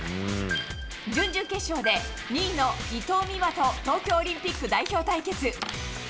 準々決勝で、２位の伊藤美誠と東京オリンピック代表対決。